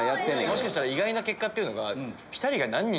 もしかしたら意外な結果っていうのが。